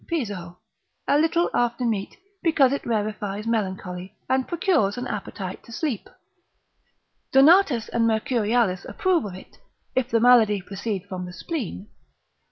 Piso, a little after meat, because it rarefies melancholy, and procures an appetite to sleep. Donat. ab Altomar. cap. 7. and Mercurialis approve of it, if the malady proceed from the spleen.